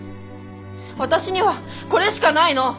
私にはこれしかないの。